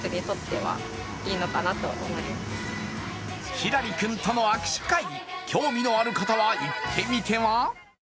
ひらり君との握手会、興味のある方は行ってみては？